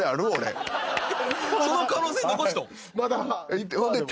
その可能性残すと。